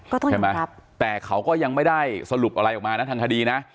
ก็ต้องอย่างนี้ครับใช่ไหมแต่เขาก็ยังไม่ได้สรุปอะไรออกมานะทางทดีนะ